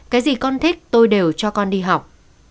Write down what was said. cái gì con thích tôi đều cho con đi học